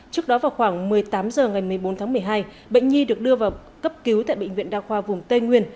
trước đó vào khoảng một mươi tám h ngày một mươi bốn tháng một mươi hai bệnh nhi được đưa vào cấp cứu tại bệnh viện đa khoa vùng tây nguyên